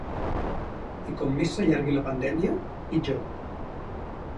I com més s’allargui la pandèmia, pitjor.